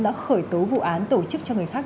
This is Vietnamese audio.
đã khởi tố vụ án tổ chức cho người khác